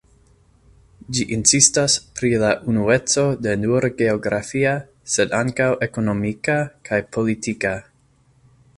Ĝi insistas pri la unueco ne nur geografia, sed ankaŭ ekonomika kaj politika.